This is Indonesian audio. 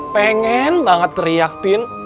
pengen banget teriak tin